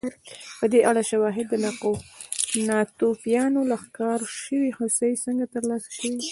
په دې اړه شواهد د ناتوفیانو له ښکار شوې هوسۍ څخه ترلاسه شوي